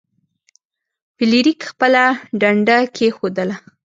فلیریک خپله ډنډه کیښودله.